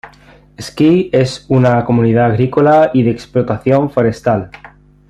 Ski es una comunidad agrícola y de explotación forestal.